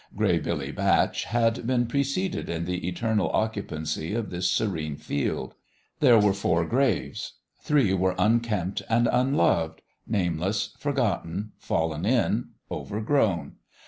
Gray Billy Batch had been preceded in the eternal occu pancy of this serene field. There were four graves. Three were unkempt and unloved nameless, forgotten, fallen in, overgrown.